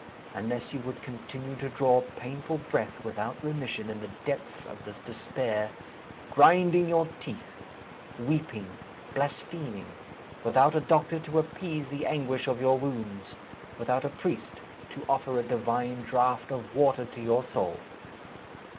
Unless you would continue to draw painful breath without remission in the depths of this despair grinding your teeth, weeping, blaspheming without a doctor to appease the anguish of your wounds, without a priest to offer a divine draught of water to your soul.